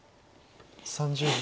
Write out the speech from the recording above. ３０秒。